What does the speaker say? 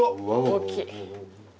大きい。